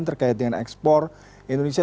terkait dengan ekspor indonesia